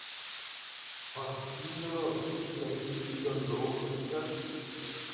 Her funeral took place in the local church.